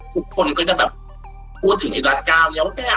ทุกคนก็จะแบบพูดถึงรัดก้าวเนี่ย